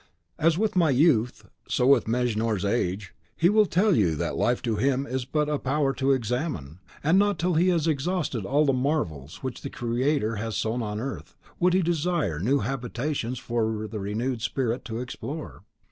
"As with my youth, so with Mejnour's age: he will tell you that life to him is but a power to examine; and not till he has exhausted all the marvels which the Creator has sown on earth, would he desire new habitations for the renewed Spirit to explore.